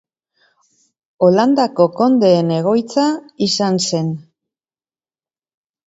Holandako kondeen egoitza izan zen.